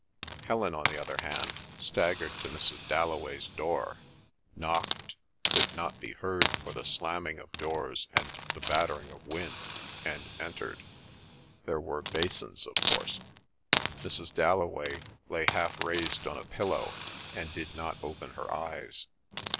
Helen, on the other hand, staggered to Mrs. Dalloway's door, knocked, could not be heard for the slamming of doors and the battering of wind, and entered. There were basins, of course. Mrs. Dalloway lay half raised on a pillow, and did not open her eyes.